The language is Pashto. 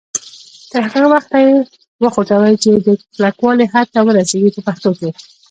تر هغه وخته یې وخوټوئ چې د کلکوالي حد ته ورسیږي په پښتو کې.